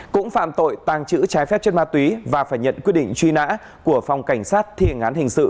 cũng phạm tội tàng trữ trái phép chất ma túy và phải nhận quyết định truy nã của phòng cảnh sát thi hình án hình sự